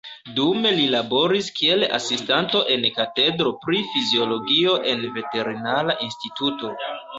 Dume li laboris kiel asistanto en katedro pri fiziologio en veterinara instituto.